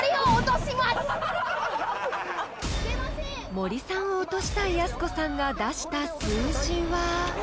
［森さんを落としたいやす子さんが出した数字は？］